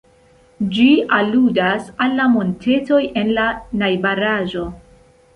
Ĝi aludas al la montetoj en la najbaraĵo.